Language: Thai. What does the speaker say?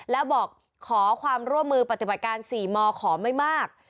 แล้วบอกขอความร่วมมือปฏิบัติการ๔มขอไม่มาก